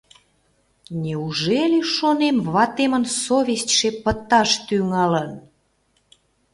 Неужели, шонем, ватемын совестьше пыташ тӱҥалын?